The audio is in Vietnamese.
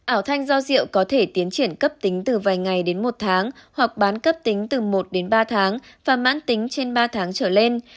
ảo thanh do rượu có thể tiến triển cấp tính từ vài ngày đến một tháng hoặc bán cấp tính từ một đến ba tháng và mãn tính trên ba tháng trở lên